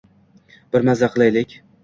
Bir maza qilaylik!